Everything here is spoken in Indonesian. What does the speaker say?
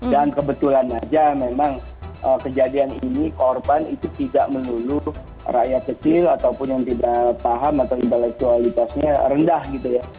dan kebetulan aja memang kejadian ini korban itu tidak menunduk rakyat kecil ataupun yang tidak paham atau intelektualitasnya rendah gitu ya